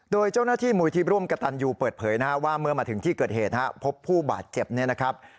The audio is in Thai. โดยเจ้าหน้าที่มูลที่ร่วมกระตันยูเปิดเผยนะฮะว่าเมื่อมาถึงที่เกิดเหตุพบผู้บาดเจ็บเนี่ยนะครับ